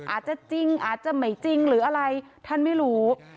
อาจจะจริงอาจจะไม่จริงหรืออะไรท่านไม่รู้